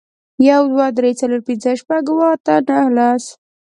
یو, دوه, درې, څلور, پنځه, شپږ, اووه, اته, نهه, لس